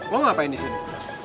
lo ngapain disini